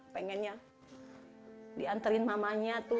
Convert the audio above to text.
pengennya diantarkan oleh mamanya